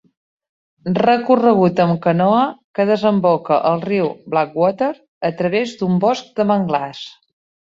Recorregut amb canoa que desemboca al riu Blackwater a través d'un bosc de manglars.